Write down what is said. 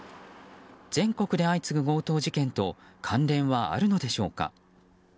全国で相次ぐ強盗事件と関連はあるのでしょうか。